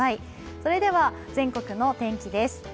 それでは全国の天気です。